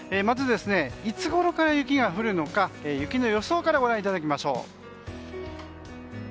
また、いつごろから雪が降るのか雪の予想からご覧いただきましょう。